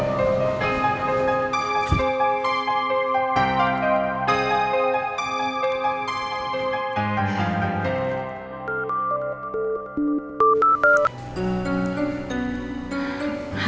pernah nggak tau